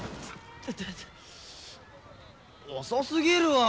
遅すぎるわ。